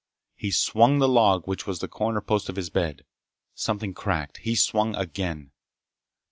He swung the log which was the corner post of his bed. Something cracked. He swung again.